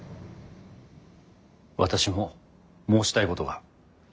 私も申したいことが。